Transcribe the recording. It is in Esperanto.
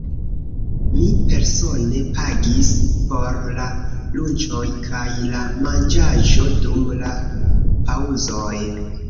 Mi persone pagis por la lunĉoj kaj la manĝaĵo dum la paŭzoj.